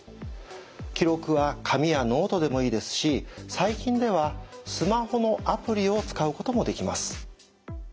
記録は紙やノートでもいいですし最近ではスマホのアプリを使うこともできます。